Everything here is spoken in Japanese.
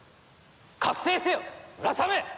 覚醒せよムラサメ！